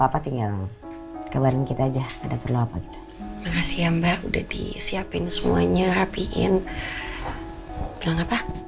yang kabarin kita aja ada perlu apa gitu makasih ya mbak udah disiapin semuanya rapiin bilang apa